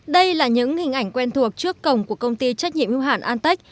đây là những hình ảnh quen thuộc trước cổng của công ty trách nhiệm hưu hản antec